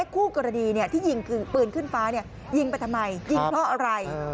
คู่กรณีที่ยิงคือปืนขึ้นฟ้ายิงไปทำไมยิงเพราะอะไร